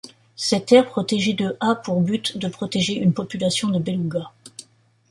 Cette aire protégée de a pour but de protéger une population de Béluga.